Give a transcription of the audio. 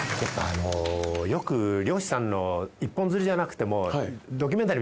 やっぱよく漁師さんの一本釣りじゃなくても。